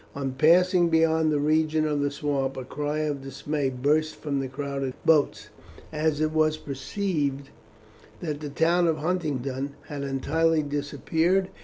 On passing beyond the region of the swamp a cry of dismay burst from the crowded boats, as it was perceived that the town of Huntingdon had entirely disappeared.